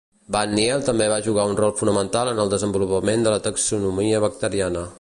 Van Niel també va jugar un rol fonamental en el desenvolupament de la taxonomia bacteriana.